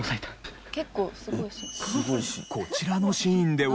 こちらのシーンでは。